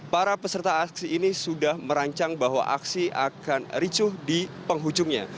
para peserta aksi ini sudah merancang bahwa aksi akan ricuh di penghujungnya